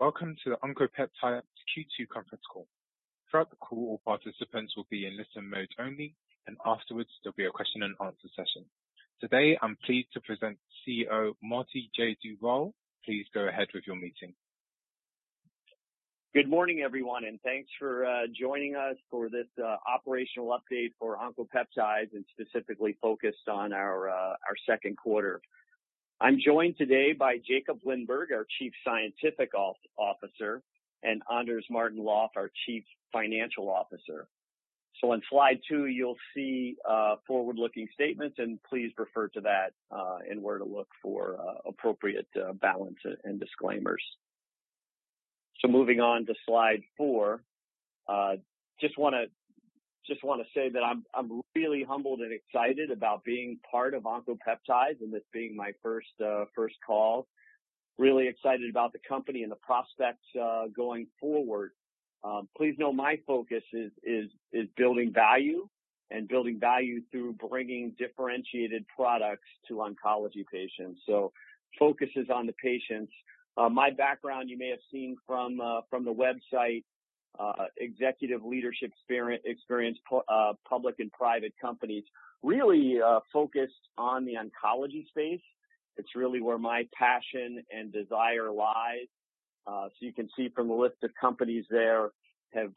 Welcome to the Oncopeptides Q2 Conference Call. Throughout the call, all participants will be in listen mode only, and afterwards, there will be a question and answer session. Today, I am pleased to present CEO Marty J. Duvall. Please go ahead with your meeting. Good morning, everyone. Thanks for joining us for this operational update for Oncopeptides and specifically focused on our second quarter. I'm joined today by Jakob Lindberg, our Chief Scientific Officer, and Anders Martin-Löf, our Chief Financial Officer. On slide 2, you'll see forward-looking statements. Please refer to that and where to look for appropriate balance and disclaimers. Moving on to slide 4 just want to say that I'm really humbled and excited about being part of Oncopeptides and this being my first call. Really excited about the company and the prospects going forward. Please know my focus is building value and building value through bringing differentiated products to oncology patients. Focus is on the patients. My background, you may have seen from the website, executive leadership experience, public and private companies, really focused on the oncology space. It's really where my passion and desire lies. You can see from the list of companies there, have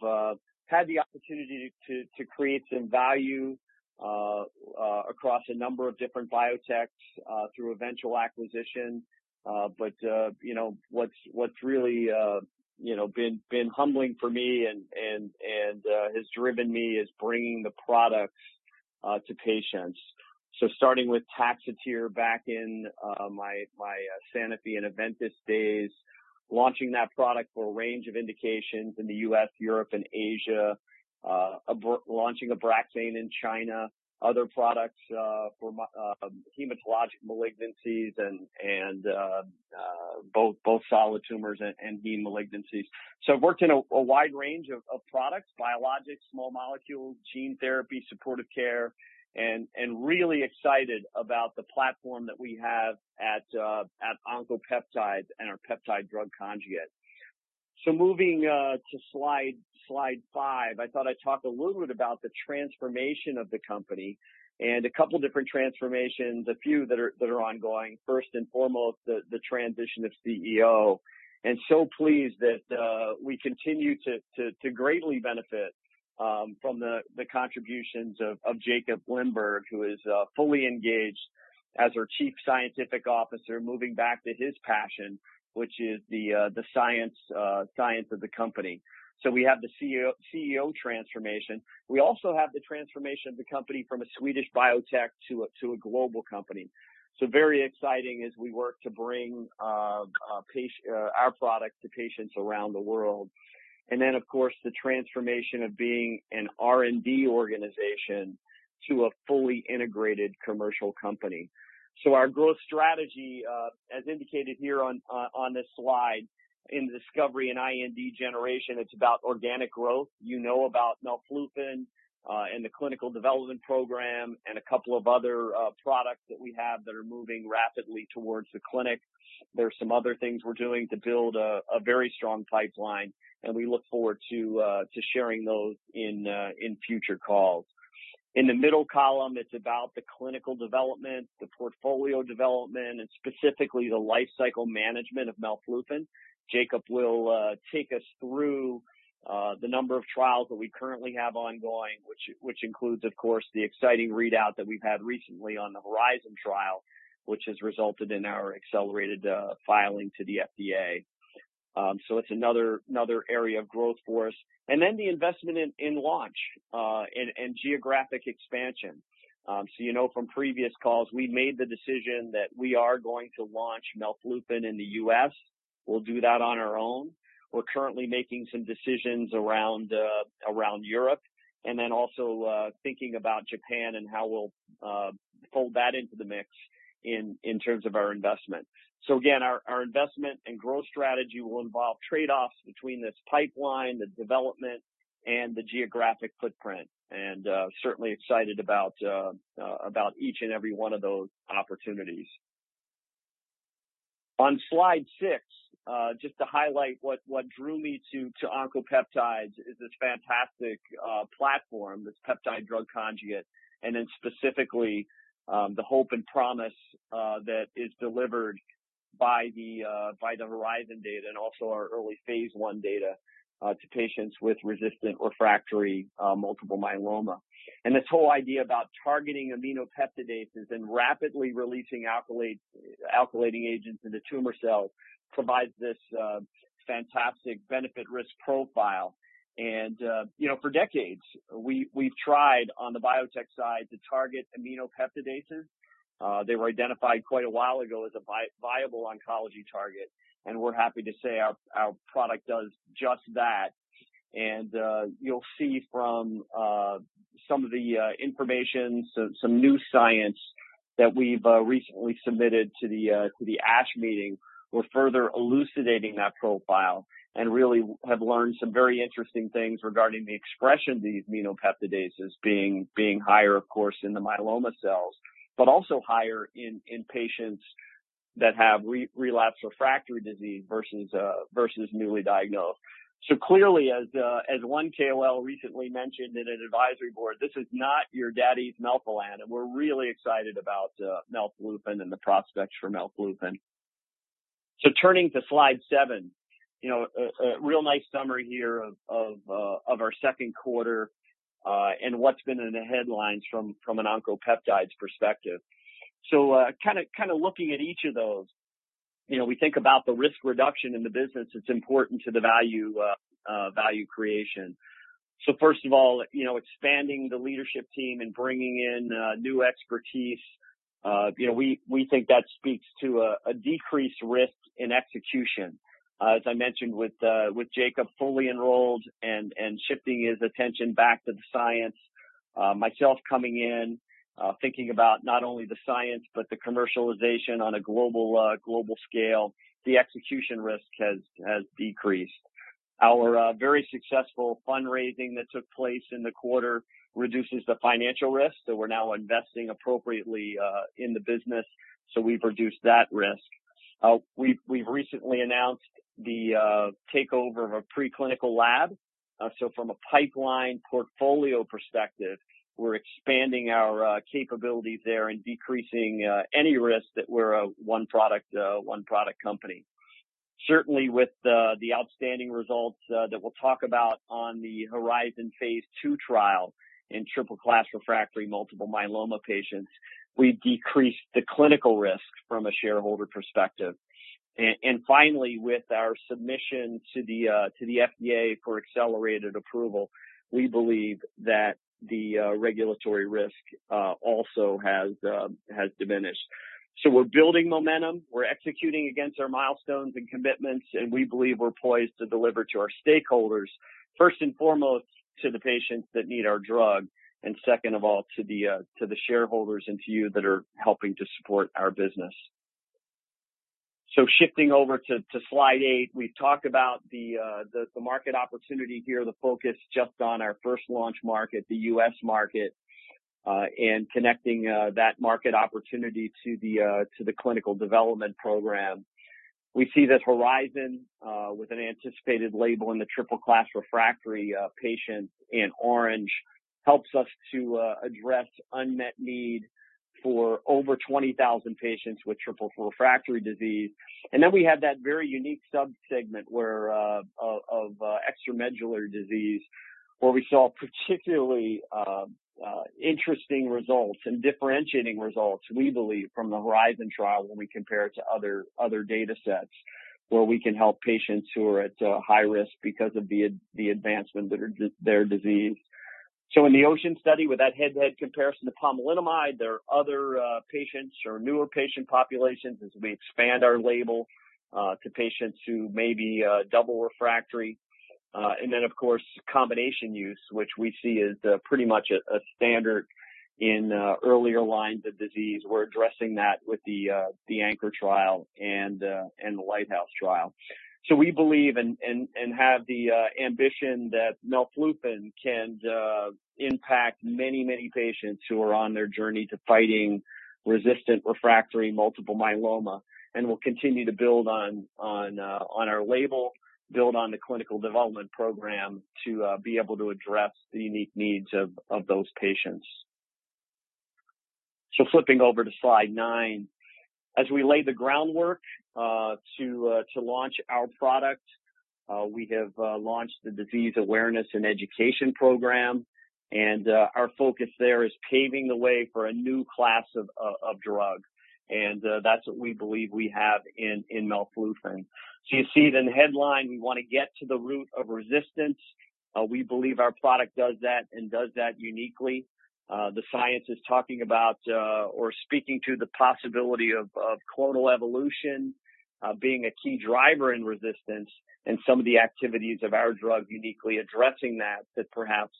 had the opportunity to create some value across a number of different biotechs, through eventual acquisition. What's really been humbling for me and has driven me is bringing the products to patients. Starting with Taxotere back in my Sanofi and Aventis days, launching that product for a range of indications in the U.S., Europe, and Asia, launching Abraxane in China, other products for hematologic malignancies and both solid tumors and heme malignancies. I've worked in a wide range of products, biologics, small molecules, gene therapy, supportive care, and really excited about the platform that we have at Oncopeptides and our peptide-drug conjugate. Moving to slide five, I thought I'd talk a little bit about the transformation of the company and a couple different transformations, a few that are ongoing. First and foremost, the transition of CEO. So pleased that we continue to greatly benefit from the contributions of Jakob Lindberg, who is fully engaged as our Chief Scientific Officer, moving back to his passion, which is the science of the company. We have the CEO transformation. We also have the transformation of the company from a Swedish biotech to a global company. Very exciting as we work to bring our product to patients around the world. Then, of course, the transformation of being an R&D organization to a fully integrated commercial company. Our growth strategy, as indicated here on this slide, in discovery and IND generation, it's about organic growth. You know about melflufen, and the clinical development program and a couple of other products that we have that are moving rapidly towards the clinic. There's some other things we're doing to build a very strong pipeline, and we look forward to sharing those in future calls. In the middle column, it's about the clinical development, the portfolio development, and specifically the lifecycle management of melflufen. Jakob will take us through the number of trials that we currently have ongoing, which includes, of course, the exciting readout that we've had recently on the HORIZON trial, which has resulted in our accelerated filing to the FDA. It's another area of growth for us. The investment in launch, and geographic expansion. You know from previous calls, we made the decision that we are going to launch melflufen in the U.S. We'll do that on our own. We're currently making some decisions around Europe and then also thinking about Japan and how we'll fold that into the mix in terms of our investment. Again, our investment and growth strategy will involve trade-offs between this pipeline, the development, and the geographic footprint, and certainly excited about each and every one of those opportunities. On slide six, just to highlight what drew me to Oncopeptides is this fantastic platform, this peptide-drug conjugate, and then specifically, the hope and promise that is delivered by the HORIZON data and also our early phase I data to patients with resistant refractory multiple myeloma. This whole idea about targeting aminopeptidases and rapidly releasing alkylating agents into tumor cells provides this fantastic benefit-risk profile. For decades, we've tried on the biotech side to target aminopeptidases. They were identified quite a while ago as a viable oncology target, and we're happy to say our product does just that. You'll see from some of the information, some new science that we've recently submitted to the ASH meeting. We're further elucidating that profile and really have learned some very interesting things regarding the expression of these aminopeptidases being higher, of course, in the myeloma cells, but also higher in patients that have relapsed refractory disease versus newly diagnosed. Clearly, as one KOL recently mentioned in an advisory board, this is not your daddy's melphalan, and we're really excited about melflufen and the prospects for melflufen. Turning to slide 7, a real nice summary here of our second quarter and what's been in the headlines from an Oncopeptides perspective. Looking at each of those, we think about the risk reduction in the business, it's important to the value creation. First of all, expanding the leadership team and bringing in new expertise, we think that speaks to a decreased risk in execution. As I mentioned with Jakob fully enrolled and shifting his attention back to the science, myself coming in, thinking about not only the science, but the commercialization on a global scale, the execution risk has decreased. Our very successful fundraising that took place in the quarter reduces the financial risk. We're now investing appropriately in the business, so we've reduced that risk. We've recently announced the takeover of a preclinical lab. From a pipeline portfolio perspective, we're expanding our capabilities there and decreasing any risk that we're a one-product company. Certainly with the outstanding results that we'll talk about on the HORIZON phase II trial in triple-class refractory multiple myeloma patients, we've decreased the clinical risk from a shareholder perspective. Finally, with our submission to the FDA for accelerated approval, we believe that the regulatory risk also has diminished. We're building momentum, we're executing against our milestones and commitments, and we believe we're poised to deliver to our stakeholders, first and foremost, to the patients that need our drug, and second of all, to the shareholders and to you that are helping to support our business. Shifting over to Slide eight, we've talked about the market opportunity here, the focus just on our first launch market, the U.S. market, and connecting that market opportunity to the clinical development program. We see that HORIZON, with an anticipated label in the triple-class refractory patients in orange, helps us to address unmet need for over 20,000 patients with triple-class refractory disease. Then we have that very unique subsegment of extramedullary disease, where we saw particularly interesting results and differentiating results, we believe, from the HORIZON trial when we compare it to other datasets, where we can help patients who are at high risk because of the advancement of their disease. In the OCEAN study, with that head-to-head comparison to pomalidomide, there are other patients or newer patient populations as we expand our label to patients who may be double refractory. Then, of course, combination use, which we see as pretty much a standard in earlier lines of disease. We're addressing that with the ANCHOR trial and the LIGHTHOUSE trial. We believe and have the ambition that melflufen can impact many patients who are on their journey to fighting resistant refractory multiple myeloma, and we'll continue to build on our label, build on the clinical development program to be able to address the unique needs of those patients. Flipping over to Slide nine, as we lay the groundwork to launch our product, we have launched the disease awareness and education program, and our focus there is paving the way for a new class of drug, and that's what we believe we have in melflufen. You see in the headline, we want to get to the root of resistance. We believe our product does that and does that uniquely. The science is talking about or speaking to the possibility of clonal evolution being a key driver in resistance, and some of the activities of our drug uniquely addressing that perhaps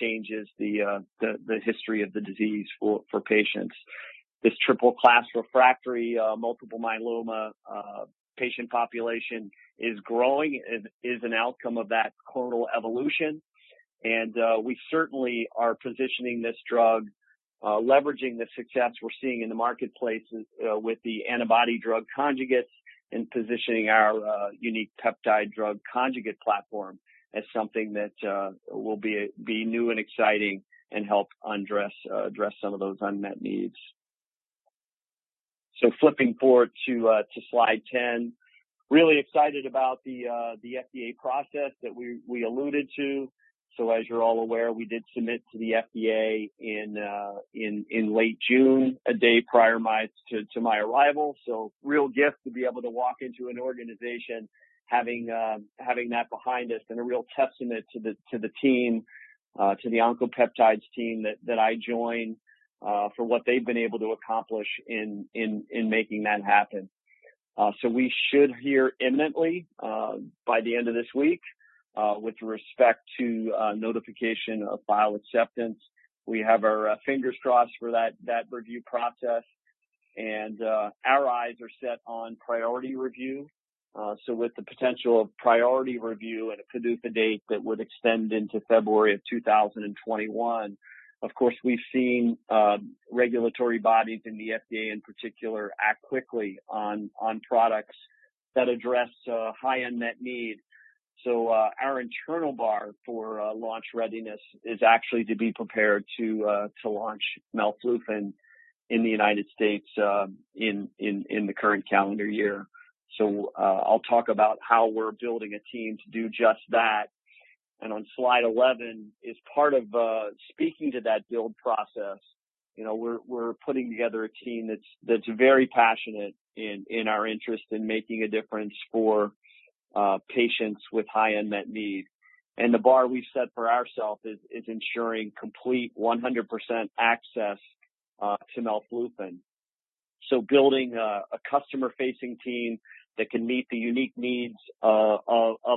changes the history of the disease for patients. This triple-class refractory multiple myeloma patient population is growing and is an outcome of that clonal evolution, and we certainly are positioning this drug, leveraging the success we're seeing in the marketplace with the antibody-drug conjugates and positioning our unique peptide-drug conjugate platform as something that will be new and exciting and help address some of those unmet needs. Flipping forward to Slide 10, really excited about the FDA process that we alluded to. As you're all aware, we did submit to the FDA in late June, a day prior to my arrival. Real gift to be able to walk into an organization having that behind us and a real testament to the team, to the Oncopeptides team that I joined for what they've been able to accomplish in making that happen. We should hear imminently, by the end of this week, with respect to notification of file acceptance. We have our fingers crossed for that review process. Our eyes are set on priority review. With the potential priority review and a PDUFA date that would extend into February of 2021, of course, we've seen regulatory bodies and the FDA in particular, act quickly on products that address a high unmet need. Our internal bar for launch readiness is actually to be prepared to launch melflufen in the U.S., in the current calendar year. I'll talk about how we're building a team to do just that. On slide 11, as part of speaking to that build process, we're putting together a team that's very passionate in our interest in making a difference for patients with high unmet need. The bar we've set for ourselves is ensuring complete 100% access to melflufen. Building a customer-facing team that can meet the unique needs of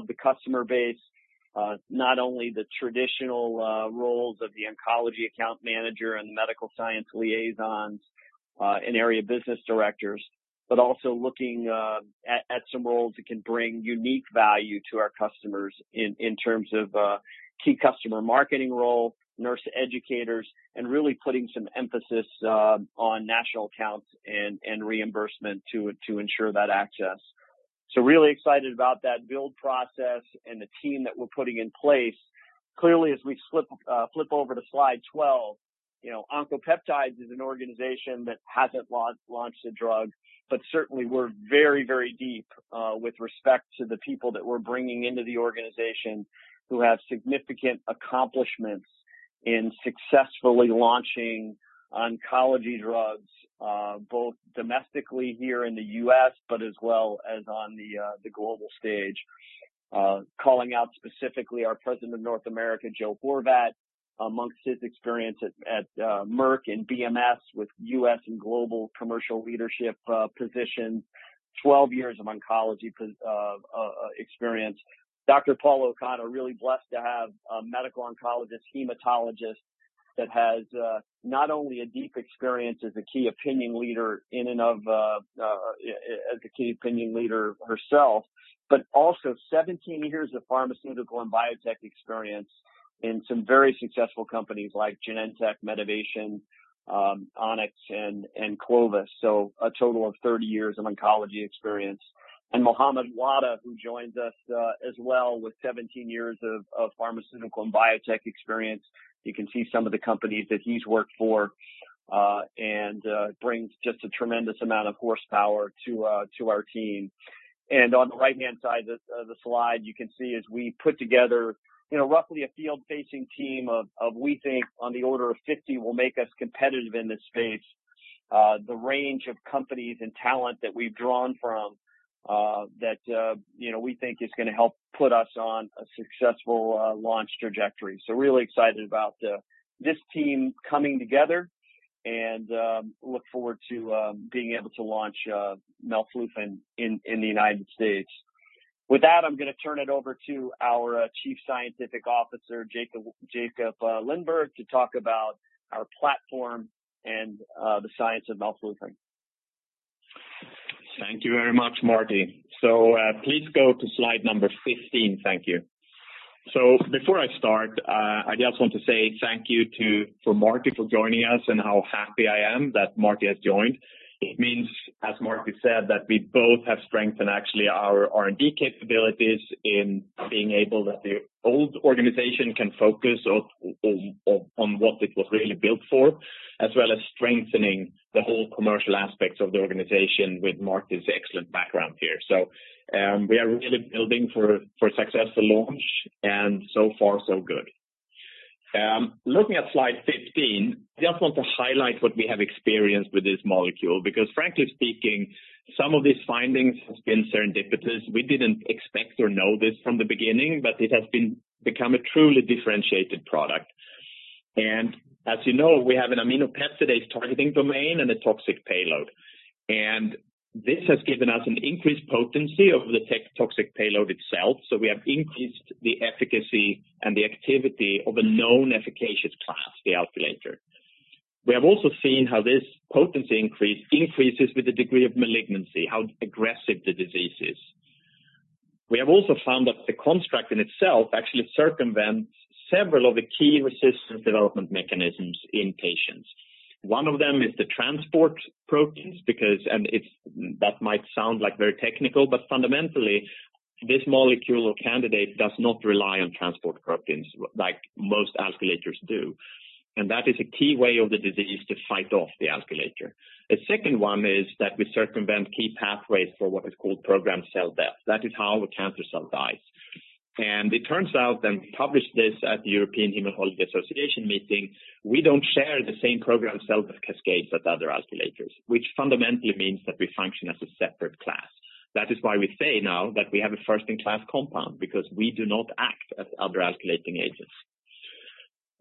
the customer base. Not only the traditional roles of the oncology account manager and the medical science liaisons, and area business directors, but also looking at some roles that can bring unique value to our customers in terms of key customer marketing role, nurse educators, and really putting some emphasis on national accounts and reimbursement to ensure that access. Really excited about that build process and the team that we're putting in place. As we flip over to slide 12, Oncopeptides is an organization that hasn't launched a drug, certainly we're very deep with respect to the people that we're bringing into the organization, who have significant accomplishments in successfully launching oncology drugs, both domestically here in the US, as well as on the global stage. Calling out specifically our President of North America, Joe Horvat, amongst his experience at Merck and BMS with US and global commercial leadership positions, 12 years of oncology experience. Dr. Paula O'Connor, really blessed to have a medical oncologist, hematologist that has not only a deep experience as a key opinion leader herself, also 17 years of pharmaceutical and biotech experience in some very successful companies like Genentech, Medivation, Onyx, and Clovis. A total of 30 years of oncology experience. Mohamed Ladha, who joins us as well with 17 years of pharmaceutical and biotech experience. You can see some of the companies that he's worked for, and brings just a tremendous amount of horsepower to our team. On the right-hand side of the slide, you can see as we put together roughly a field-facing team of, we think on the order of 50 will make us competitive in this space. The range of companies and talent that we've drawn from, that we think is going to help put us on a successful launch trajectory. Really excited about this team coming together and look forward to being able to launch melflufen in the U.S. With that, I'm going to turn it over to our Chief Scientific Officer, Jakob Lindberg, to talk about our platform and the science of melflufen. Thank you very much, Marty. Please go to slide number 15. Thank you. Before I start, I just want to say thank you for Marty for joining us and how happy I am that Marty has joined. It means, as Marty said, that we both have strength and actually our R&D capabilities in being able that the old organization can focus on what it was really built for, as well as strengthening the whole commercial aspects of the organization with Marty's excellent background here. We are really building for a successful launch, and so far, so good. Looking at slide 15, just want to highlight what we have experienced with this molecule, because frankly speaking, some of these findings have been serendipitous. We didn't expect or know this from the beginning, but it has become a truly differentiated product. As you know, we have an aminopeptidase targeting domain and a toxic payload. This has given us an increased potency of the toxic payload itself, so we have increased the efficacy and the activity of a known efficacious class, the alkylator. We have also seen how this potency increase increases with the degree of malignancy, how aggressive the disease is. We have also found that the construct in itself actually circumvents several of the key resistance development mechanisms in patients. One of them is the transport proteins because, and that might sound very technical, but fundamentally, this molecule or candidate does not rely on transport proteins like most alkylators do. That is a key way of the disease to fight off the alkylator. The second one is that we circumvent key pathways for what is called programmed cell death. That is how a cancer cell dies. It turns out, and we published this at the European Hematology Association meeting, we don't share the same programmed cell death cascades as other alkylators, which fundamentally means that we function as a separate class. That is why we say now that we have a first-in-class compound, because we do not act as other alkylating agents.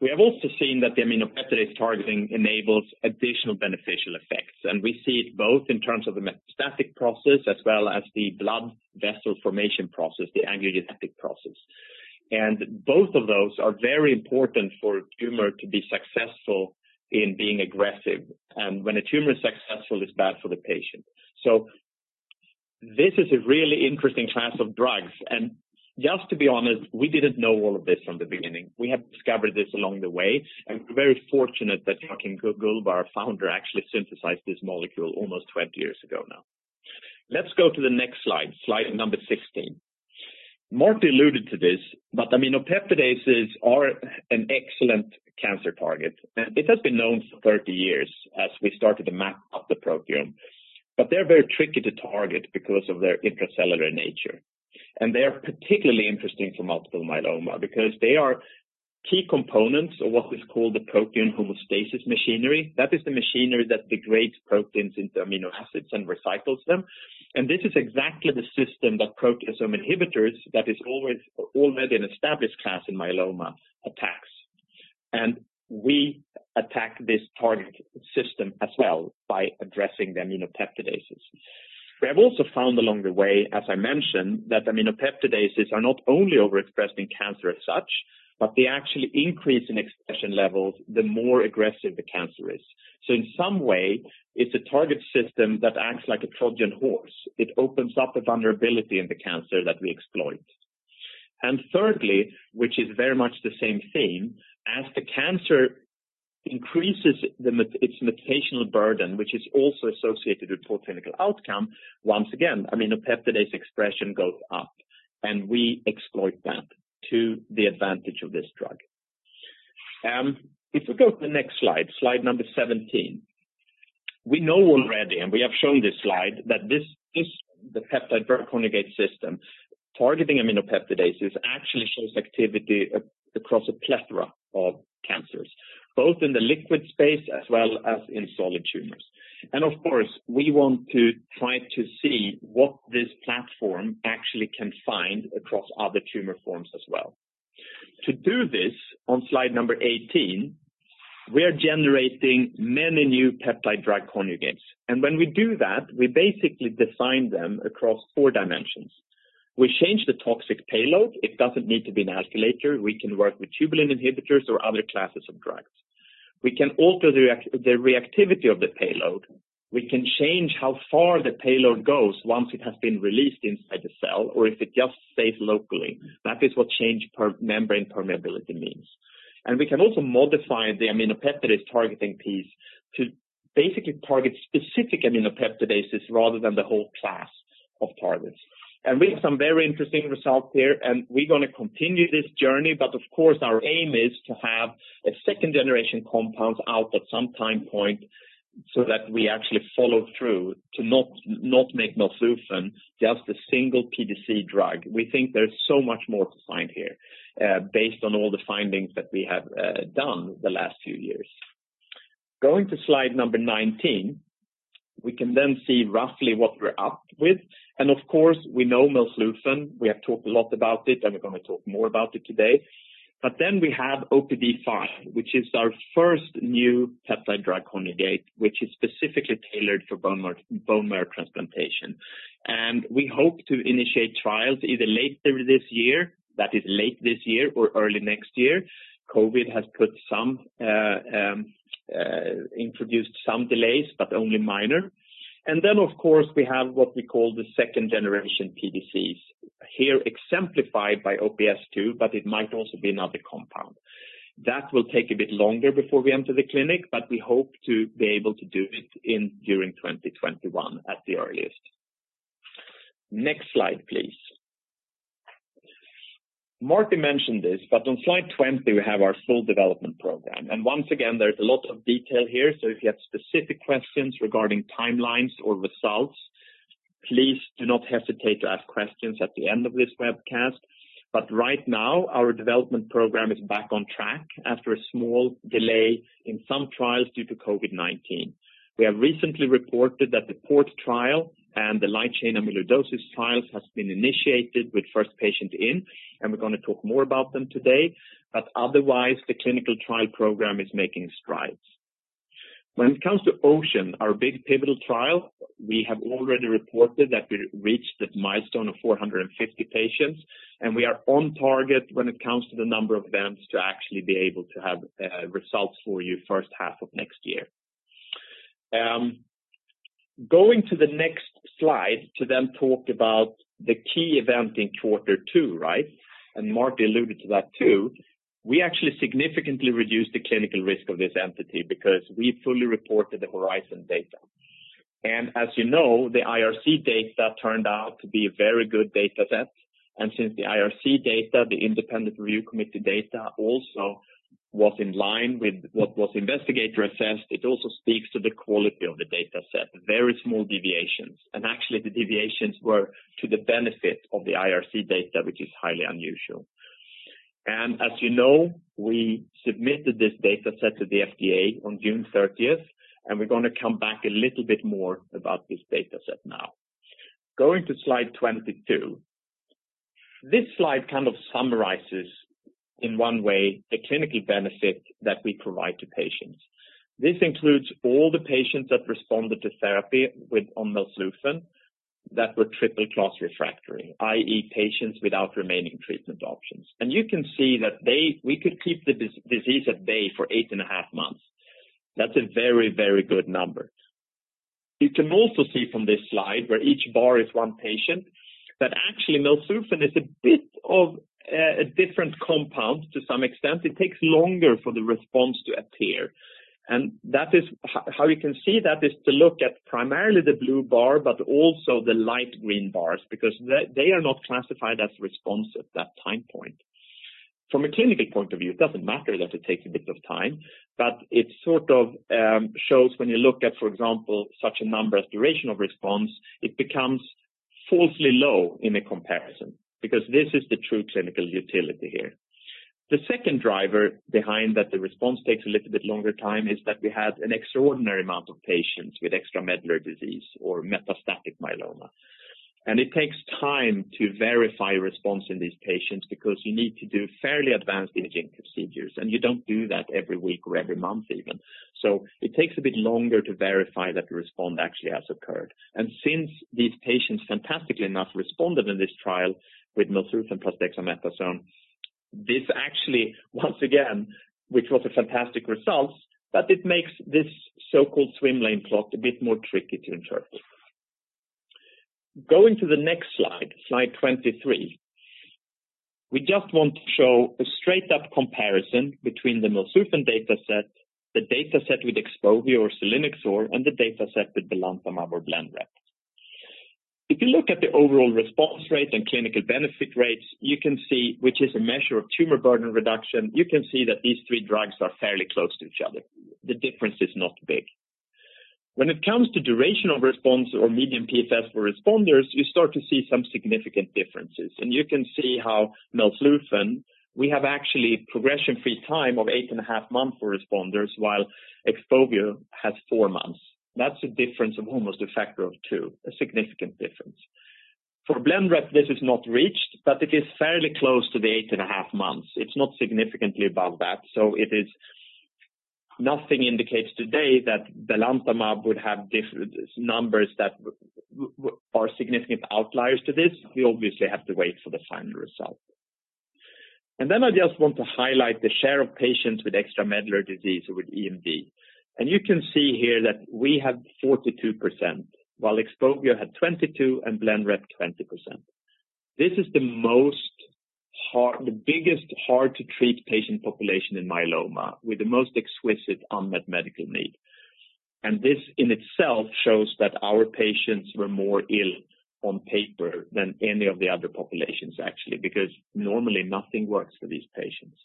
We have also seen that the aminopeptidase targeting enables additional beneficial effects, and we see it both in terms of the metastatic process as well as the blood vessel formation process, the angiogenetic process. Both of those are very important for a tumor to be successful in being aggressive. When a tumor is successful, it's bad for the patient. This is a really interesting class of drugs. Just to be honest, we didn't know all of this from the beginning. We have discovered this along the way. We're very fortunate that Joakim Gullbo, our founder, actually synthesized this molecule almost 20 years ago now. Let's go to the next slide number 16. Marty alluded to this. Aminopeptidases are an excellent cancer target. This has been known for 30 years as we started to map out the proteome. They're very tricky to target because of their intracellular nature. They are particularly interesting for multiple myeloma because they are key components of what is called the proteome homeostasis machinery. That is the machinery that degrades proteins into amino acids and recycles them. This is exactly the system that proteasome inhibitors, that is already an established class in myeloma, attacks. We attack this target system as well by addressing the aminopeptidases. We have also found along the way, as I mentioned, that aminopeptidases are not only overexpressed in cancer as such, but they actually increase in expression levels the more aggressive the cancer is. In some way, it's a target system that acts like a Trojan horse. It opens up a vulnerability in the cancer that we exploit. Thirdly, which is very much the same theme, as the cancer increases its mutational burden, which is also associated with poor clinical outcome, once again, aminopeptidase expression goes up, and we exploit that to the advantage of this drug. If we go to the next slide number 17. We know already, and we have shown this slide, that the peptide-drug conjugate system targeting aminopeptidase actually shows activity across a plethora of cancers, both in the liquid space as well as in solid tumors. Of course, we want to try to see what this platform actually can find across other tumor forms as well. To do this, on slide number 18, we are generating many new peptide-drug conjugates. When we do that, we basically define them across four dimensions. We change the toxic payload. It doesn't need to be an alkylator. We can work with tubulin inhibitors or other classes of drugs. We can alter the reactivity of the payload. We can change how far the payload goes once it has been released inside the cell, or if it just stays locally. That is what change membrane permeability means. We can also modify the aminopeptidase targeting piece to basically target specific aminopeptidases rather than the whole class of targets. We have some very interesting results here, and we're going to continue this journey. Of course, our aim is to have a second-generation compound out at some time point so that we actually follow through to not make melflufen just a single PDC drug. We think there's so much more to find here based on all the findings that we have done the last few years. Going to slide number 19, we can then see roughly what we're up with. Of course, we know melflufen. We have talked a lot about it, and we're going to talk more about it today. Then we have OPD5, which is our first new peptide-drug conjugate, which is specifically tailored for bone marrow transplantation. We hope to initiate trials either later this year, that is late this year or early next year. COVID has introduced some delays, but only minor. Then, of course, we have what we call the second-generation PDCs, here exemplified by OPS2, but it might also be another compound. That will take a bit longer before we enter the clinic, we hope to be able to do it during 2021 at the earliest. Next slide, please. Marty mentioned this, on slide 20, we have our full development program. Once again, there's a lot of detail here, if you have specific questions regarding timelines or results, please do not hesitate to ask questions at the end of this webcast. Right now, our development program is back on track after a small delay in some trials due to COVID-19. We have recently reported that the PORT trial and the light-chain amyloidosis trials have been initiated with first patient in, we're going to talk more about them today. Otherwise, the clinical trial program is making strides. When it comes to OCEAN, our big pivotal trial, we have already reported that we reached the milestone of 450 patients, and we are on target when it comes to the number of events to actually be able to have results for you first half of next year. Going to the next slide to talk about the key event in quarter two, right? Marty alluded to that, too. We actually significantly reduced the clinical risk of this entity because we fully reported the HORIZON data. As you know, the IRC data turned out to be a very good data set. Since the IRC data, the independent review committee data also was in line with what was investigator assessed, it also speaks to the quality of the data set. Very small deviations. Actually, the deviations were to the benefit of the IRC data, which is highly unusual. As you know, we submitted this data set to the FDA on June 30th, and we're going to come back a little bit more about this data set now. Going to slide 22. This slide kind of summarizes in one way, the clinical benefit that we provide to patients. This includes all the patients that responded to therapy with melflufen that were triple-class refractory, i.e., patients without remaining treatment options. You can see that we could keep the disease at bay for eight and a half months. That's a very, very good number. You can also see from this slide where each bar is one patient, that actually melflufen is a bit of a different compound to some extent. It takes longer for the response to appear. How you can see that is to look at primarily the blue bar, but also the light green bars, because they are not classified as responsive at that time point. From a clinical point of view, it doesn't matter that it takes a bit of time, it sort of shows when you look at, for example, such a number as duration of response, it becomes falsely low in a comparison because this is the true clinical utility here. The second driver behind that the response takes a little bit longer time is that we had an extraordinary amount of patients with extramedullary disease or metastatic myeloma. It takes time to verify response in these patients because you need to do fairly advanced imaging procedures, and you don't do that every week or every month even. It takes a bit longer to verify that the response actually has occurred. Since these patients fantastically enough responded in this trial with melflufen plus dexamethasone, this actually, once again, which was a fantastic result, but it makes this so-called swim lane plot a bit more tricky to interpret. Going to the next slide 23. We just want to show a straight-up comparison between the melflufen data set, the data set with XPOVIO or selinexor, and the data set with belantamab or BLENREP. If you look at the overall response rate and clinical benefit rates, you can see which is a measure of tumor burden reduction. You can see that these three drugs are fairly close to each other. The difference is not big. When it comes to duration of response or median PFS for responders, you start to see some significant differences, and you can see how melflufen, we have actually progression-free time of 8.5 months for responders, while XPOVIO has 4 months. That's a difference of almost a factor of two, a significant difference. For BLENREP, this is not reached, but it is fairly close to the 8.5 months. It's not significantly above that. Nothing indicates today that belantamab would have different numbers that are significant outliers to this. We obviously have to wait for the final result. I just want to highlight the share of patients with extramedullary disease or with EMD. You can see here that we have 42%, while XPOVIO had 22% and BLENREP 20%. This is the biggest hard-to-treat patient population in myeloma with the most exquisite unmet medical need. This in itself shows that our patients were more ill on paper than any of the other populations, actually, because normally nothing works for these patients.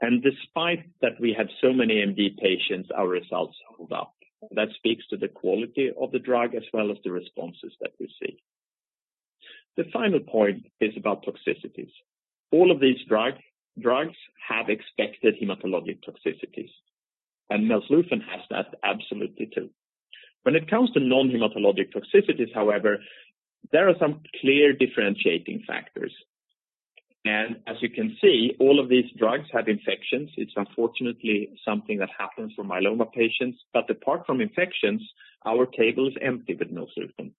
Despite that we had so many EMD patients, our results hold up. That speaks to the quality of the drug as well as the responses that we see. The final point is about toxicities. All of these drugs have expected hematologic toxicities, and melflufen has that absolutely, too. When it comes to non-hematologic toxicities, however, there are some clear differentiating factors. As you can see, all of these drugs have infections. It's unfortunately something that happens for myeloma patients. Apart from infections, our table is empty with melflufen.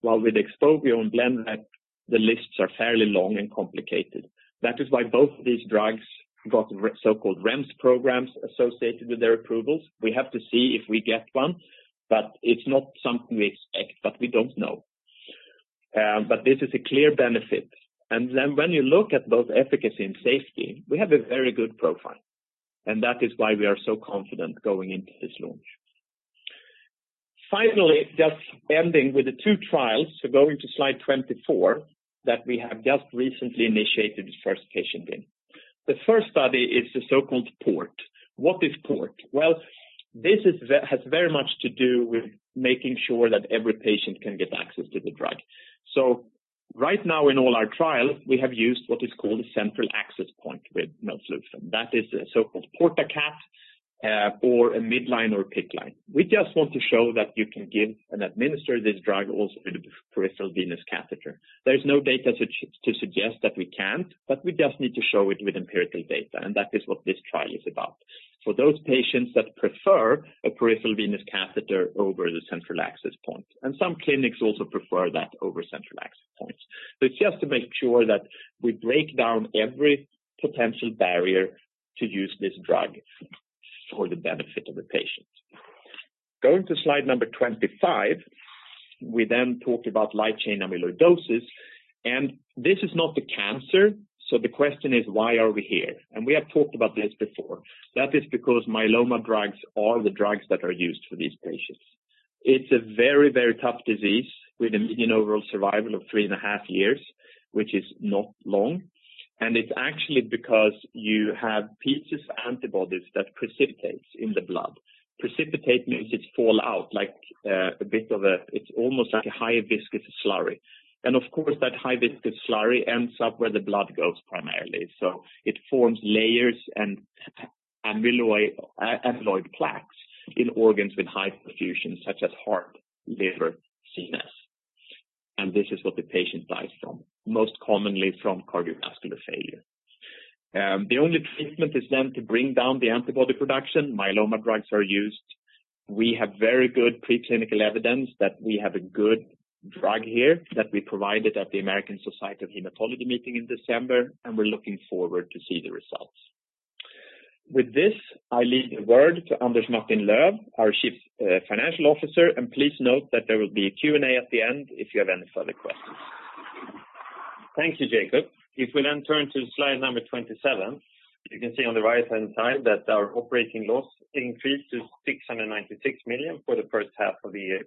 While with XPOVIO and BLENREP, the lists are fairly long and complicated. That is why both of these drugs got so-called REMS programs associated with their approvals. We have to see if we get one, but it's not something we expect, but we don't know. This is a clear benefit. When you look at both efficacy and safety, we have a very good profile, and that is why we are so confident going into this launch. Finally, just ending with the two trials. Going to slide 24, that we have just recently initiated the first patient in. The first study is the so-called PORT. What is PORT? This has very much to do with making sure that every patient can get access to the drug. Right now in all our trials, we have used what is called a central access point with melflufen. That is a so-called Port-a-Cath or a midline or a PICC line. We just want to show that you can give and administer this drug also in a peripheral venous catheter. There's no data to suggest that we can't, but we just need to show it with empirical data, and that is what this trial is about. For those patients that prefer a peripheral venous catheter over the central access point. Some clinics also prefer that over central access points. It's just to make sure that we break down every potential barrier to use this drug for the benefit of the patient. Going to slide number 25. We then talked about light-chain amyloidosis, and this is not a cancer. The question is, why are we here? We have talked about this before. That is because myeloma drugs are the drugs that are used for these patients. It's a very, very tough disease with a median overall survival of three and a half years, which is not long. It's actually because you have pieces of antibodies that precipitate in the blood. Precipitate means it fall out like it's almost like a high viscous slurry. Of course, that high viscous slurry ends up where the blood goes primarily. It forms layers and amyloid plaques in organs with high perfusion such as heart, liver, spleen. This is what the patient dies from, most commonly from cardiovascular failure. The only treatment is then to bring down the antibody production. Myeloma drugs are used. We have very good preclinical evidence that we have a good drug here that we provided at the American Society of Hematology meeting in December, and we're looking forward to see the results. With this, I leave the word to Anders Martin-Löf, our Chief Financial Officer, and please note that there will be a Q&A at the end if you have any further questions. Thank you, Jakob. If we turn to slide number 27, you can see on the right-hand side that our operating loss increased to 696 million for the first half of the year.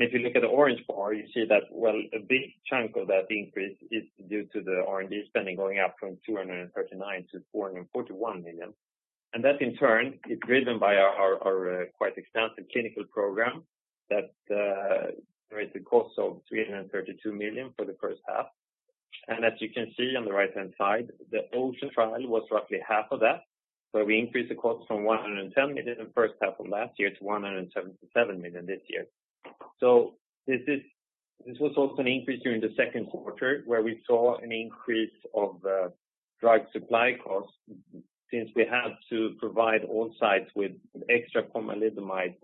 If you look at the orange bar, you see that, well, a big chunk of that increase is due to the R&D spending going up from 239 million to 441 million. That in turn is driven by our quite extensive clinical program that is the cost of 332 million for the first half. As you can see on the right-hand side, the OCEAN trial was roughly half of that, where we increased the cost from 110 million the first half of last year to 177 million this year. This was also an increase during the second quarter, where we saw an increase of drug supply costs since we had to provide all sites with extra pomalidomide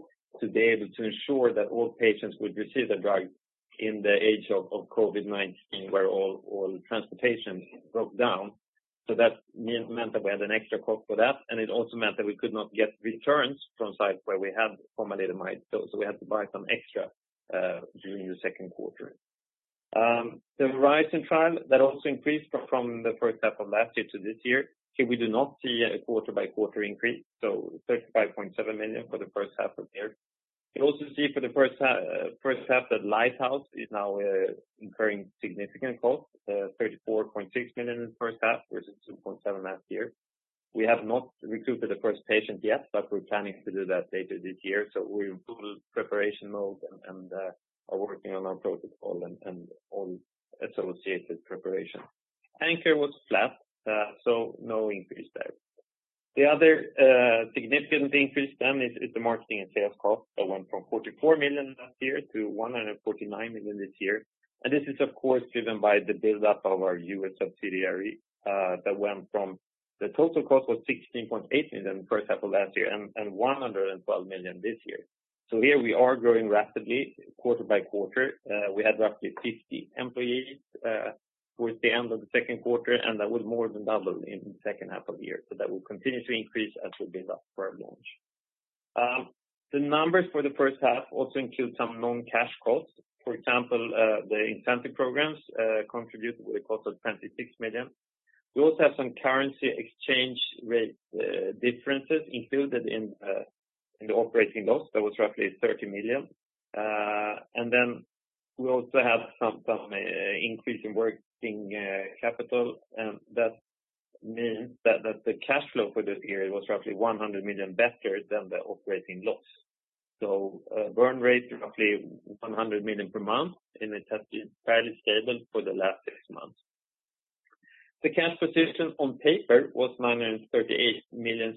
to be able to ensure that all patients would receive the drug in the age of COVID-19, where all transportation broke down. That meant that we had an extra cost for that, and it also meant that we could not get returns from sites where we had pomalidomide. We had to buy some extra during the second quarter. The HORIZON trial, that also increased from the first half of last year to this year. Here we do not see a quarter-by-quarter increase, 35.7 million for the first half of the year. You can also see for the first half that LIGHTHOUSE is now incurring significant cost, 34.6 million in the first half versus 2.7 million last year. We have not recruited the first patient yet, but we're planning to do that later this year. We're in full preparation mode and are working on our protocol and all associated preparation. ANCHOR was flat, no increase there. The other significant increase is the marketing and sales cost that went from 44 million last year to 149 million this year. This is of course, driven by the buildup of our U.S. subsidiary that went from the total cost of 16.8 million first half of last year and 112 million this year. Here we are growing rapidly quarter by quarter. We had roughly 50 employees towards the end of the second quarter, that will more than double in the second half of the year. That will continue to increase as we build up for our launch. The numbers for the first half also include some non-cash costs. For example, the incentive programs contribute with a cost of 26 million. We also have some currency exchange rate differences included in the operating loss. That was roughly 30 million. Then we also have some increase in working capital, and that means that the cash flow for this year was roughly 100 million better than the operating loss. Burn rate roughly 100 million per month, and it has been fairly stable for the last six months. The cash position on paper was 938 million.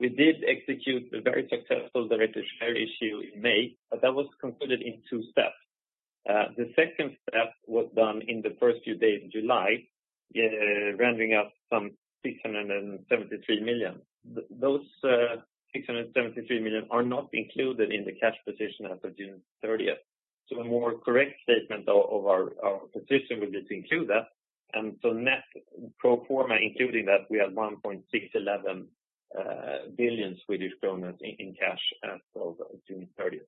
We did execute a very successful directed share issue in May, but that was completed in two steps. The second step was done in the first few days of July, rounding up some 673 million. Those 673 million are not included in the cash position as of June 30th. A more correct statement of our position will just include that. Net pro forma, including that we had 1.611 billion Swedish kronor in cash as of June 30th.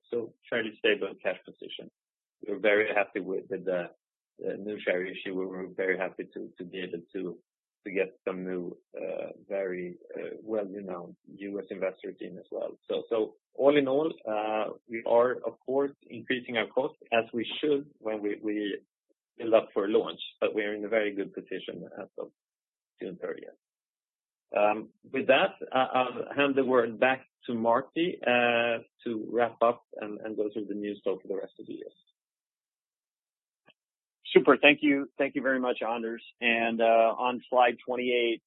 Fairly stable cash position. We are very happy with the new share issue. We are very happy to be able to get some new very well-renowned U.S. investor team as well. All in all, we are of course increasing our cost as we should when we build up for a launch, but we are in a very good position as of June 30th. With that, I will hand the word back to Marty to wrap up and go through the news flow for the rest of the year. Super. Thank you. Thank you very much, Anders. On slide 28,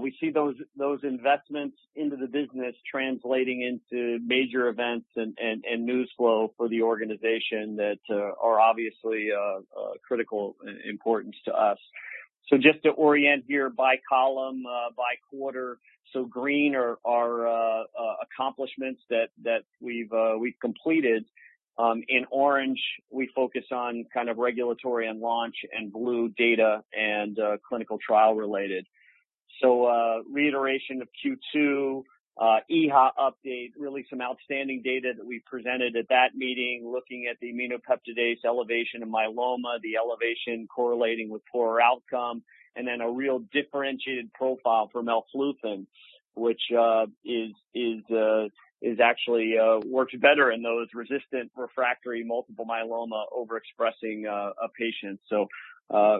we see those investments into the business translating into major events and news flow for the organization that are obviously of critical importance to us. Just to orient here by column, by quarter, green are our accomplishments that we've completed. In orange, we focus on regulatory and launch and blue data and clinical trial related. Reiteration of Q2, EHA update, really some outstanding data that we presented at that meeting, looking at the aminopeptidase elevation in myeloma, the elevation correlating with poorer outcome, and then a real differentiated profile for melflufen, which actually works better in those resistant refractory multiple myeloma overexpressing patients.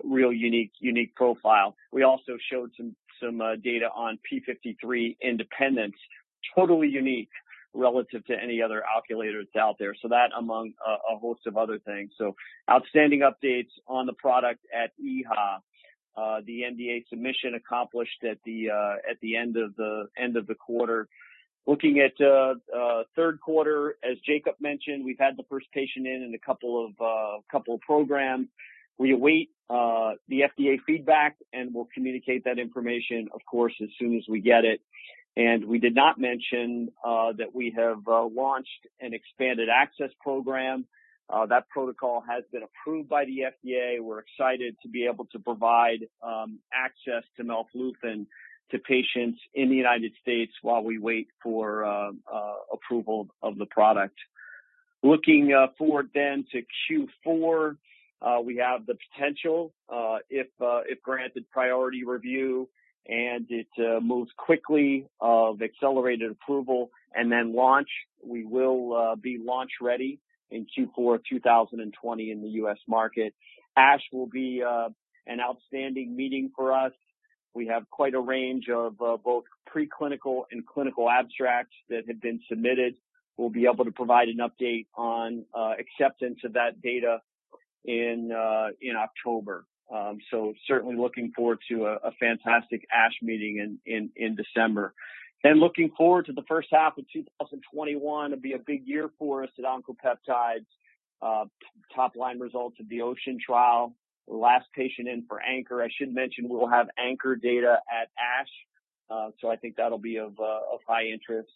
Real unique profile. We also showed some data on P53 independence, totally unique relative to any other alkylators out there. That among a host of other things. Outstanding updates on the product at EHA. The NDA submission accomplished at the end of the quarter. Looking at third quarter, as Jakob mentioned, we've had the first patient in a couple of programs. We await the FDA feedback, and we'll communicate that information, of course, as soon as we get it. We did not mention that we have launched an expanded access program. That protocol has been approved by the FDA. We're excited to be able to provide access to melflufen to patients in the U.S. while we wait for approval of the product. Looking forward then to Q4, we have the potential, if granted priority review, and it moves quickly of accelerated approval and then launch. We will be launch-ready in Q4 2020 in the U.S. market. ASH will be an outstanding meeting for us. We have quite a range of both pre-clinical and clinical abstracts that have been submitted. We'll be able to provide an update on acceptance of that data in October. Certainly looking forward to a fantastic ASH meeting in December. Looking forward to the first half of 2021. It'll be a big year for us at Oncopeptides. Top line results of the OCEAN trial, last patient in for ANCHOR. I should mention we will have ANCHOR data at ASH. I think that'll be of high interest.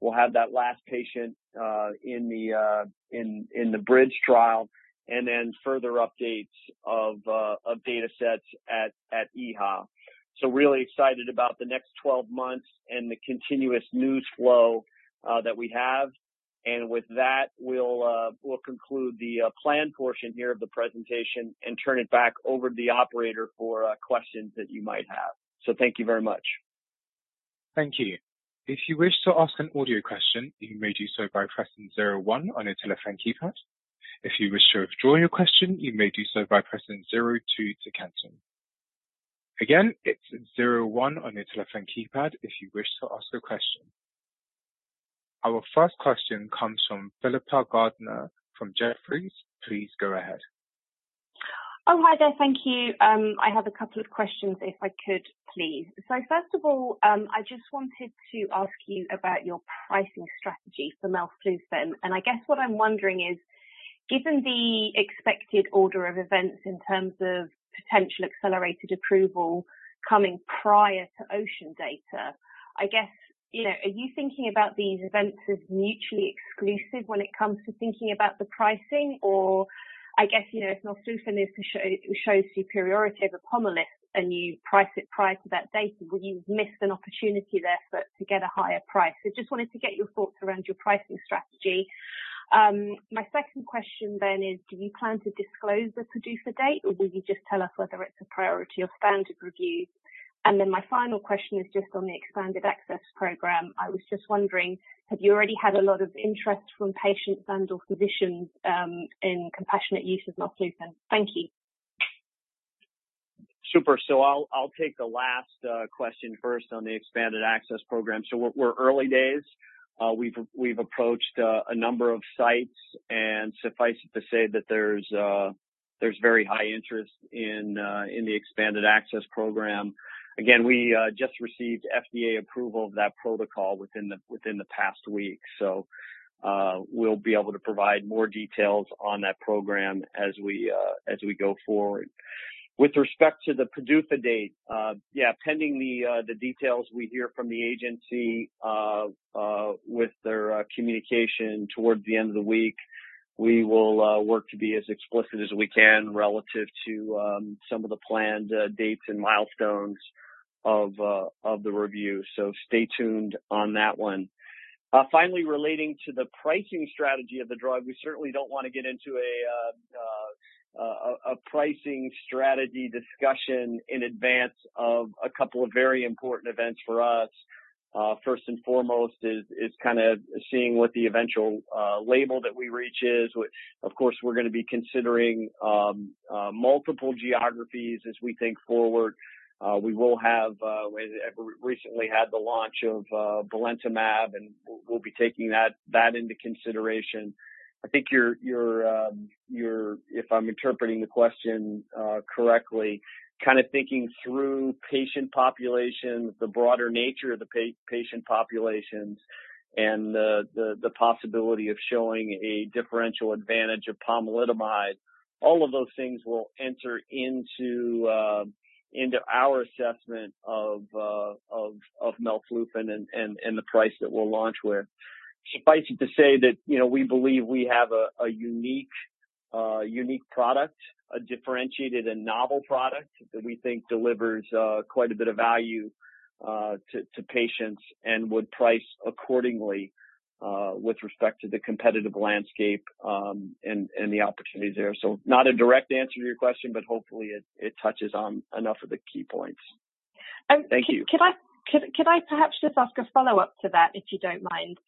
We'll have that last patient in the BRIDGE trial, then further updates of datasets at EHA. Really excited about the next 12 months and the continuous news flow that we have. With that, we'll conclude the plan portion here of the presentation and turn it back over to the operator for questions that you might have. Thank you very much. Thank you. If you wish to ask an audio question, you may do so by pressing zero one on your telephone keypad. If you wish to withdraw your question, you may do so by pressing zero two to cancel. Again, it's zero one on your telephone keypad if you wish to ask a question. Our first question comes from Philippa Gardner from Jefferies. Please go ahead. Oh, hi there. Thank you. I have a couple of questions, if I could please. First of all, I just wanted to ask you about your pricing strategy for melflufen, what I'm wondering is, given the expected order of events in terms of potential accelerated approval coming prior to OCEAN data, are you thinking about these events as mutually exclusive when it comes to thinking about the pricing? If melflufen shows superiority over Pomalyst and you price it prior to that data, will you miss an opportunity there to get a higher price? I just wanted to get your thoughts around your pricing strategy. My second question is, do you plan to disclose the PDUFA date, or will you just tell us whether it's a priority or standard review? My final question is just on the expanded access program. I was just wondering, have you already had a lot of interest from patients and/or physicians in compassionate use of melflufen? Thank you. Super. I'll take the last question first on the expanded access program. We're early days. We've approached a number of sites, and suffice it to say that there's very high interest in the expanded access program. Again, we just received FDA approval of that protocol within the past week, so we'll be able to provide more details on that program as we go forward. With respect to the PDUFA date, yeah, pending the details we hear from the agency with their communication toward the end of the week, we will work to be as explicit as we can relative to some of the planned dates and milestones of the review. Stay tuned on that one. Finally, relating to the pricing strategy of the drug, we certainly don't want to get into a pricing strategy discussion in advance of a couple of very important events for us. First and foremost is kind of seeing what the eventual label that we reach is. Of course, we're going to be considering multiple geographies as we think forward. We recently had the launch of belantamab, and we'll be taking that into consideration. I think you're, if I'm interpreting the question correctly, kind of thinking through patient populations, the broader nature of the patient populations, and the possibility of showing a differential advantage of pomalidomide. All of those things will enter into our assessment of melflufen and the price that we'll launch with. Suffice it to say that we believe we have a unique product, a differentiated and novel product that we think delivers quite a bit of value to patients and would price accordingly with respect to the competitive landscape and the opportunities there. Not a direct answer to your question, but hopefully it touches on enough of the key points. Thank you. Could I perhaps just ask a follow-up to that, if you don't mind?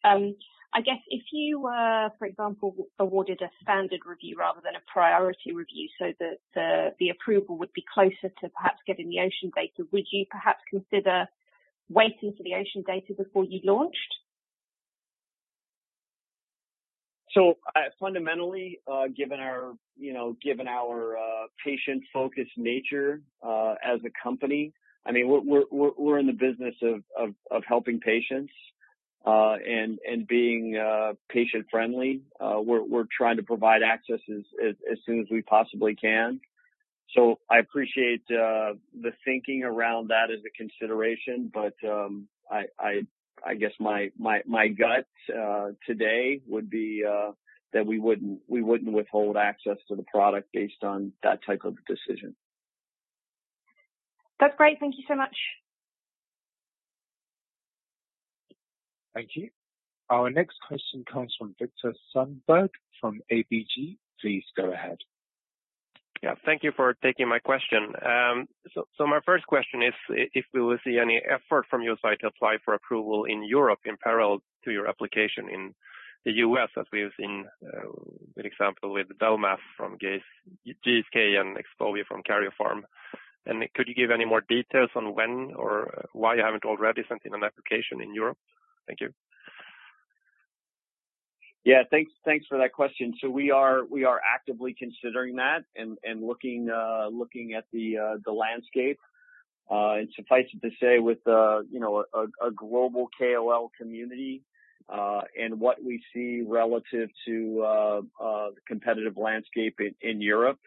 I guess if you were, for example, awarded a standard review rather than a priority review so that the approval would be closer to perhaps getting the OCEAN data, would you perhaps consider waiting for the OCEAN data before you launched? Fundamentally, given our patient-focused nature as a company, we're in the business of helping patients and being patient-friendly. We're trying to provide access as soon as we possibly can. I appreciate the thinking around that as a consideration, but I guess my gut today would be that we wouldn't withhold access to the product based on that type of decision. That's great. Thank you so much. Thank you. Our next question comes from Viktor Sundberg from ABG. Please go ahead. Yeah. Thank you for taking my question. My first question is if we will see any effort from your side to apply for approval in Europe in parallel to your application in the U.S., as we have seen an example with belamaf from GSK and XPOVIO from Karyopharm. Could you give any more details on when or why you haven't already sent in an application in Europe? Thank you. Thanks for that question. We are actively considering that and looking at the landscape. Suffice it to say, with a global KOL community and what we see relative to the competitive landscape in Europe,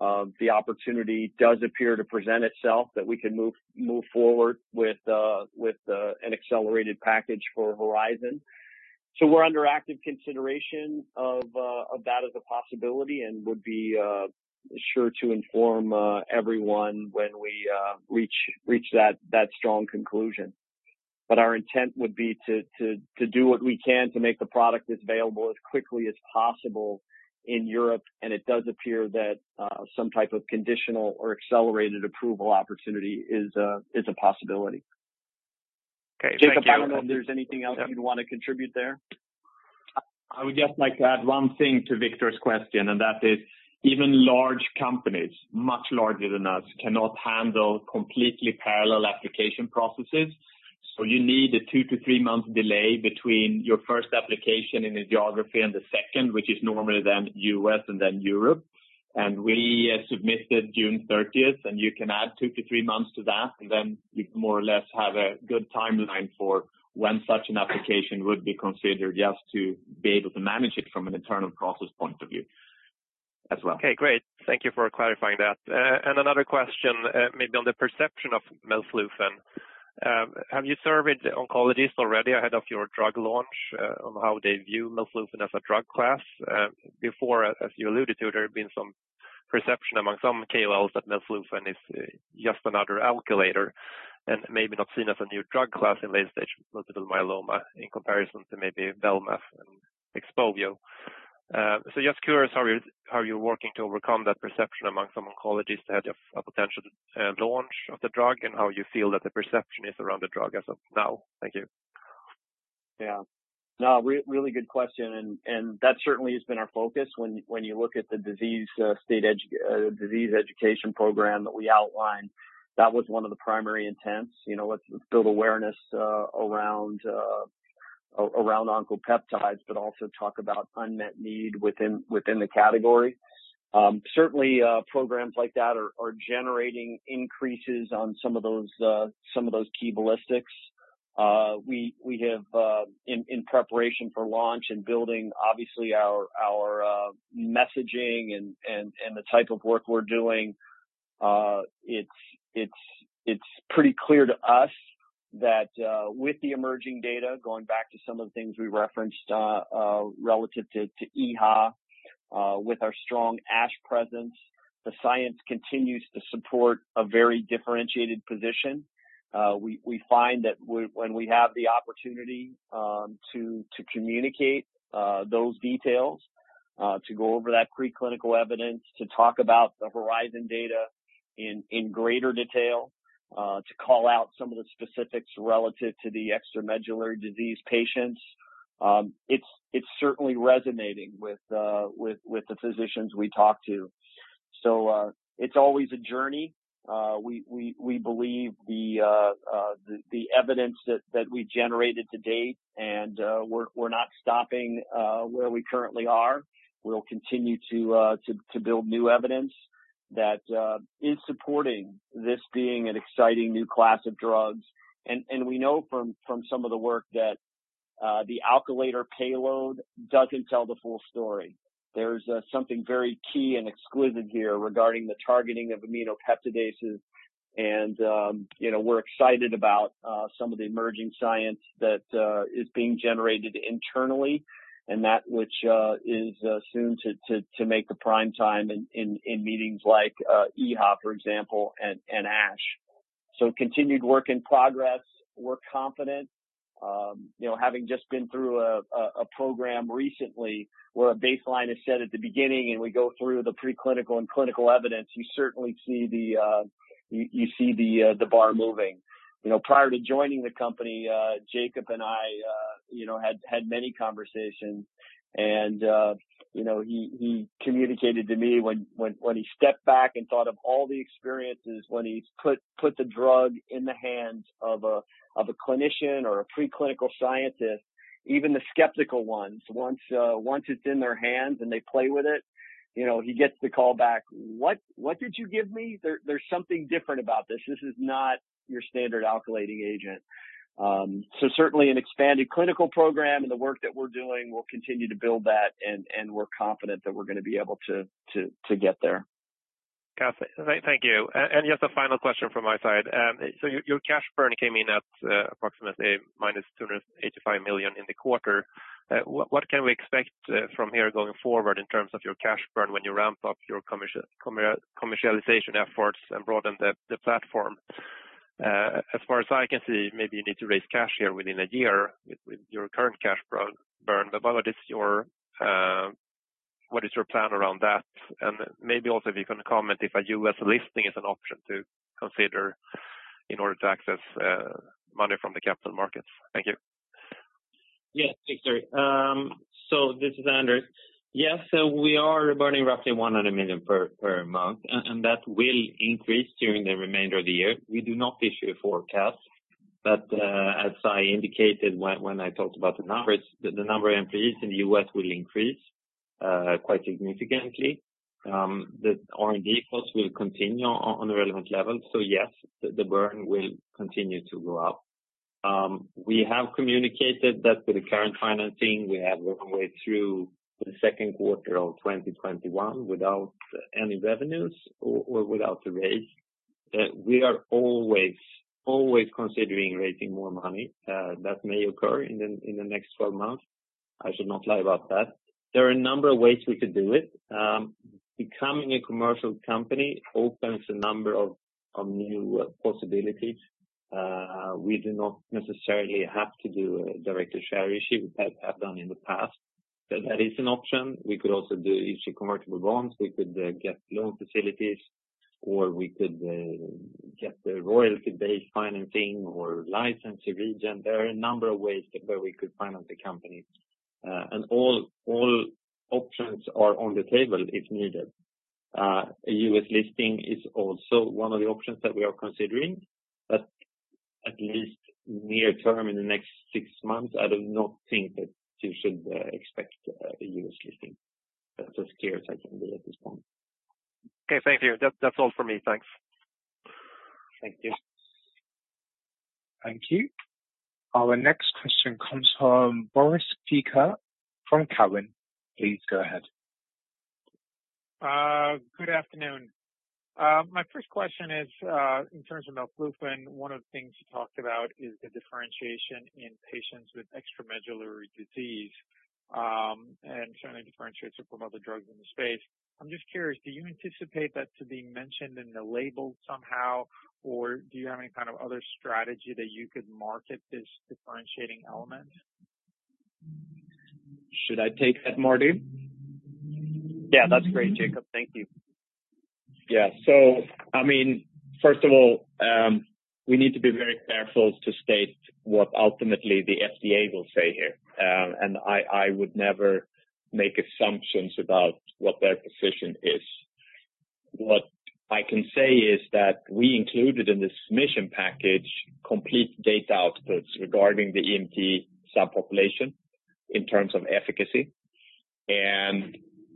the opportunity does appear to present itself that we can move forward with an accelerated package for HORIZON. We're under active consideration of that as a possibility and would be sure to inform everyone when we reach that strong conclusion. Our intent would be to do what we can to make the product as available as quickly as possible in Europe, and it does appear that some type of conditional or accelerated approval opportunity is a possibility. Okay. Thank you. Jakob, I don't know if there's anything else you'd want to contribute there. I would just like to add one thing to Viktor's question. That is even large companies, much larger than us, cannot handle completely parallel application processes. You need a two to three-month delay between your first application in a geography and the second, which is normally then U.S. and then Europe. We submitted June 30th. You can add two to three months to that. Then you can more or less have a good timeline for when such an application would be considered just to be able to manage it from an internal process point of view as well. Okay, great. Thank you for clarifying that. Another question, maybe on the perception of melflufen. Have you surveyed oncologists already ahead of your drug launch on how they view melflufen as a drug class? Before, as you alluded to, there had been some perception among some KOLs that melflufen is just another alkylator and maybe not seen as a new drug class in late-stage multiple myeloma in comparison to maybe belamaf and XPOVIO. Just curious how you're working to overcome that perception among some oncologists ahead of potential launch of the drug, and how you feel that the perception is around the drug as of now. Thank you. Yeah. No, really good question. That certainly has been our focus when you look at the disease education program that we outlined, that was one of the primary intents. Let's build awareness around Oncopeptides, but also talk about unmet need within the category. Certainly, programs like that are generating increases on some of those key metrics. We have, in preparation for launch and building obviously our messaging and the type of work we're doing, it's pretty clear to us that with the emerging data, going back to some of the things we referenced relative to EHA, with our strong ASH presence, the science continues to support a very differentiated position. We find that when we have the opportunity to communicate those details, to go over that preclinical evidence, to talk about the HORIZON data in greater detail, to call out some of the specifics relative to the extramedullary disease patients, it's certainly resonating with the physicians we talk to. It's always a journey. We believe the evidence that we generated to date, and we're not stopping where we currently are. We'll continue to build new evidence that is supporting this being an exciting new class of drugs. We know from some of the work that the alkylator payload doesn't tell the full story. There's something very key and exquisite here regarding the targeting of aminopeptidases, and we're excited about some of the emerging science that is being generated internally and that which is soon to make the prime time in meetings like EHA, for example, and ASH. Continued work in progress. We're confident. Having just been through a program recently where a baseline is set at the beginning and we go through the preclinical and clinical evidence, you certainly see the bar moving. Prior to joining the company, Jakob and I had many conversations. He communicated to me when he stepped back and thought of all the experiences when he's put the drug in the hands of a clinician or a preclinical scientist, even the skeptical ones, once it's in their hands and they play with it, he gets the call back. "What did you give me? There's something different about this. This is not your standard alkylating agent." Certainly an expanded clinical program and the work that we're doing will continue to build that, and we're confident that we're going to be able to get there. Got it. Thank you. Just a final question from my side. Your cash burn came in at approximately -285 million in the quarter. What can we expect from here going forward in terms of your cash burn when you ramp up your commercialization efforts and broaden the platform? As far as I can see, maybe you need to raise cash here within a year with your current cash burn. What is your plan around that? Maybe also if you can comment if a U.S. listing is an option to consider in order to access money from the capital markets. Thank you. Yes, thanks. This is Anders. Yes. We are burning roughly 100 million per month, and that will increase during the remainder of the year. We do not issue a forecast. As I indicated when I talked about the numbers, the number of employees in the U.S. will increase quite significantly. The R&D costs will continue on the relevant level. Yes, the burn will continue to go up. We have communicated that with the current financing, we have worked our way through the second quarter of 2021 without any revenues or without a raise. We are always considering raising more money. That may occur in the next 12 months. I should not lie about that. There are a number of ways we could do it. Becoming a commercial company opens a number of new possibilities. We do not necessarily have to do a direct-to-share issue like we have done in the past, but that is an option. We could also do issue convertible bonds. We could get loan facilities, or we could get a royalty-based financing or license a region. There are a number of ways where we could finance the company. All options are on the table if needed. A U.S. listing is also one of the options that we are considering, but at least near term, in the next six months, I do not think that you should expect a U.S. listing. That's as clear as I can be at this point. Okay. Thank you. That's all for me. Thanks. Thank you. Thank you. Our next question comes from Boris Peaker from Cowen. Please go ahead. Good afternoon. My first question is, in terms of melflufen, one of the things you talked about is the differentiation in patients with extramedullary disease, certainly differentiates it from other drugs in the space. I'm just curious, do you anticipate that to be mentioned in the label somehow, or do you have any kind of other strategy that you could market this differentiating element? Should I take that, Marty? Yeah. That's great, Jakob. Thank you. Yeah. First of all, we need to be very careful to state what ultimately the FDA will say here. I would never make assumptions about what their position is. What I can say is that we included in the submission package complete data outputs regarding the EMT subpopulation in terms of efficacy.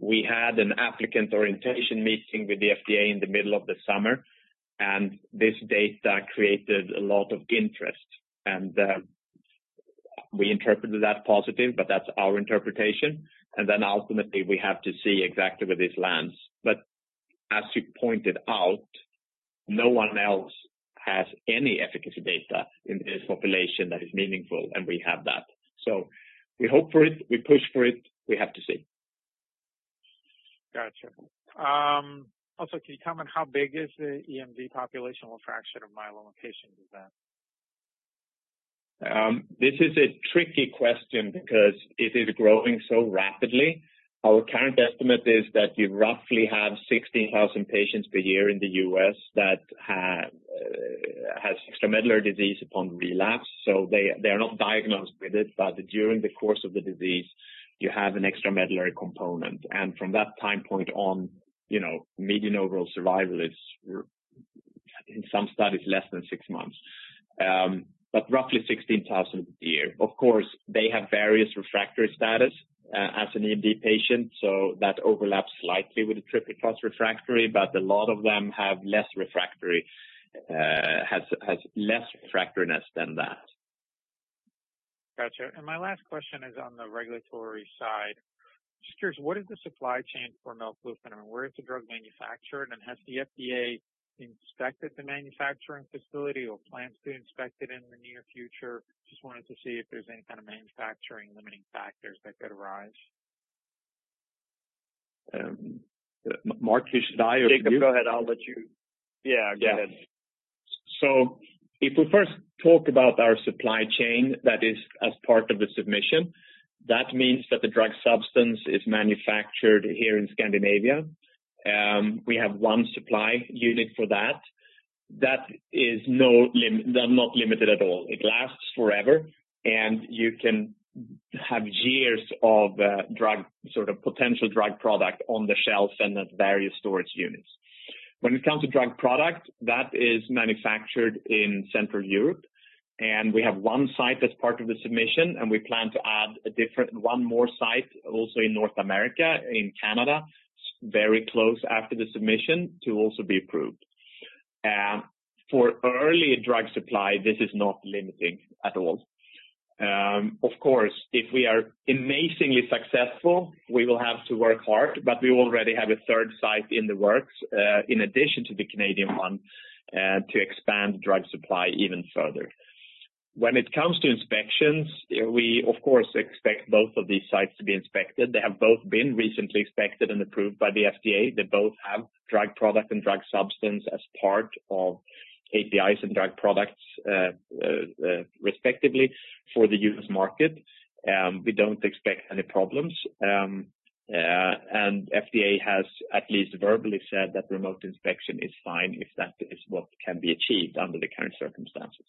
We had an applicant orientation meeting with the FDA in the middle of the summer, and this data created a lot of interest, and we interpreted that positive, but that's our interpretation. Ultimately, we have to see exactly where this lands. As you pointed out, no one else has any efficacy data in this population that is meaningful, and we have that. We hope for it, we push for it, we have to see. Got you. Also, can you comment how big is the EMD population? What fraction of myeloma patients is that? This is a tricky question because it is growing so rapidly. Our current estimate is that you roughly have 16,000 patients per year in the U.S. that have extramedullary disease upon relapse. They are not diagnosed with it, but during the course of the disease, you have an extramedullary component. From that time point on, median overall survival is, in some studies, less than six months. Roughly 16,000 a year. Of course, they have various refractory status as an EMD patient, so that overlaps slightly with the triple-class refractory, but a lot of them have less refractoriness than that. Got you. My last question is on the regulatory side. Just curious, what is the supply chain for melflufen? Where is the drug manufactured, and has the FDA inspected the manufacturing facility or plans to inspect it in the near future? Just wanted to see if there's any kind of manufacturing limiting factors that could arise. Marty, should I or do you? Jakob, go ahead. I'll let you. Yeah. Go ahead. If we first talk about our supply chain, that is as part of the submission. That means that the drug substance is manufactured here in Scandinavia. We have one supply unit for that. That is not limited at all. It lasts forever, and you can have years of potential drug product on the shelves and at various storage units. When it comes to drug product, that is manufactured in Central Europe, and we have one site that's part of the submission, and we plan to add one more site, also in North America, in Canada, very close after the submission to also be approved. For early drug supply, this is not limiting at all. Of course, if we are amazingly successful, we will have to work hard, but we already have a third site in the works, in addition to the Canadian one, to expand drug supply even further. When it comes to inspections, we of course expect both of these sites to be inspected. They have both been recently inspected and approved by the FDA. They both have drug product and drug substance as part of APIs and drug products respectively for the U.S. market. We don't expect any problems. FDA has at least verbally said that remote inspection is fine if that is what can be achieved under the current circumstances.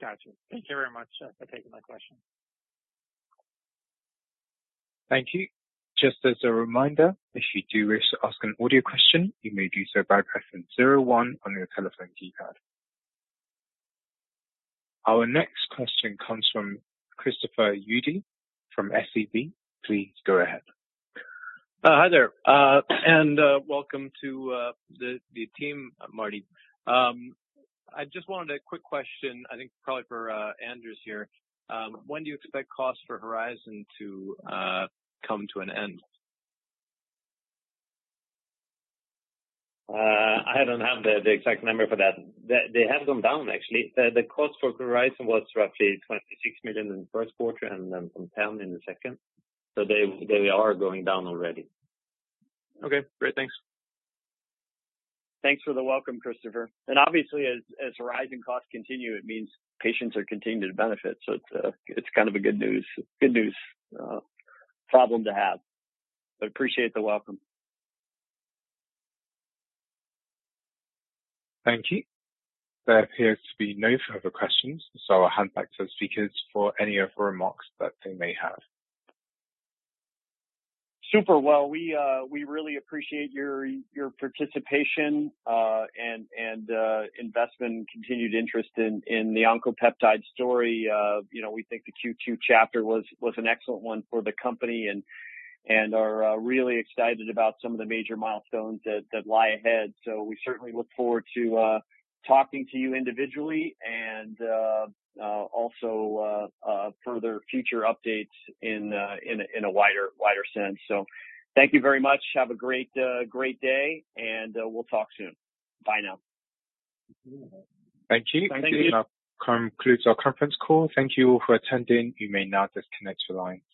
Got you. Thank you very much for taking my question. Thank you. Just as a reminder, if you do wish to ask an audio question, you may do so by pressing zero one on your telephone keypad. Our next question comes from Christopher Uhde from SEB. Please go ahead. Hi there, and welcome to the team, Marty. I just wanted a quick question, I think probably for Anders here. When do you expect costs for HORIZON to come to an end? I don't have the exact number for that. They have gone down, actually. The cost for Horizon was roughly 26 million in the first quarter and then from 10 million in the second. They are going down already. Okay, great. Thanks. Thanks for the welcome, Christopher. Obviously, as Horizon costs continue, it means patients are continuing to benefit. It's kind of a good news problem to have, but appreciate the welcome. Thank you. There appears to be no further questions, so I'll hand back to the speakers for any further remarks that they may have. Super. Well, we really appreciate your participation and investment and continued interest in the Oncopeptides story. We think the Q2 chapter was an excellent one for the company and are really excited about some of the major milestones that lie ahead. We certainly look forward to talking to you individually and also further future updates in a wider sense. Thank you very much. Have a great day, and we'll talk soon. Bye now. Thank you. Thank you. That concludes our conference call. Thank you for attending. You may now disconnect your lines.